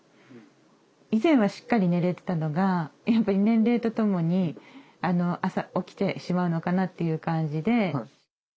以前はしっかり寝れてたのがやっぱり年齢とともに朝起きてしまうのかなという感じで。